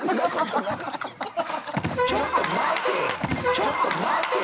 「ちょっと待てぃ‼」